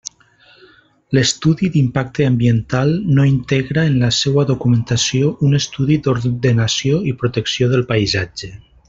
L'estudi d'impacte ambiental no integra en la seua documentació un estudi d'ordenació i protecció del paisatge.